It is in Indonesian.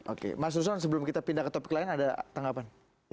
oke mas nusron sebelum kita pindah ke topik lain ada tanggapan